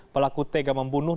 pelaku tega membunuh